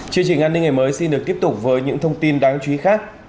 chương trình an ninh ngày mới xin được tiếp tục với những thông tin đáng chú ý khác